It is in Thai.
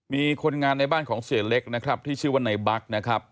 มีคนงานในบ้านของเสียเล็กนะครับที่ชื่อว่าในบั๊กนะครับ